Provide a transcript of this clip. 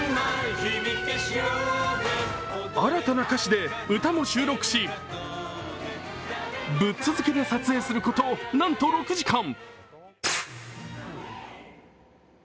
新な歌詞で歌も収録し、ぶっ続けで撮影することなんと６時間。